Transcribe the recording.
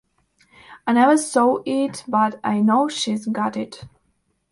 I never saw it, but I know she's got it.